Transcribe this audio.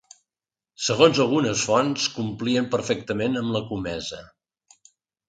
Segons algunes fonts, complien perfectament amb la comesa.